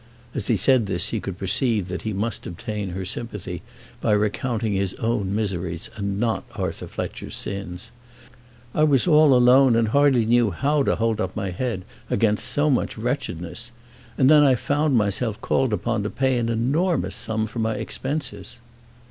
As he said this he could perceive that he must obtain her sympathy by recounting his own miseries and not Arthur Fletcher's sins. "I was all alone and hardly knew how to hold up my head against so much wretchedness. And then I found myself called upon to pay an enormous sum for my expenses."